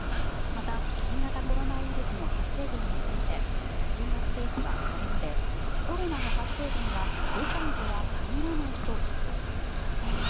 また、新型コロナウイルスの発生源について中国政府はこれまでコロナの発生源は武漢とは限らないと主張しています。